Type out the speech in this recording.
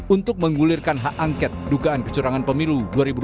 untuk menggulirkan hak angket dugaan kecurangan pemilu dua ribu dua puluh